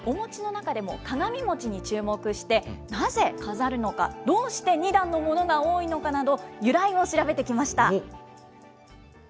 きょうはお餅の中でも鏡餅に注目して、なぜ飾るのか、どうして２段のものが多いのかなど、由来を調べてきました。